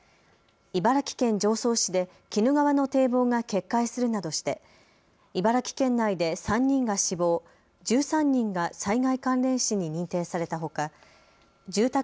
茨城県常総市で鬼怒川の堤防が決壊するなどして茨城県内で３人が死亡、１３人が災害関連死に認定されたほか住宅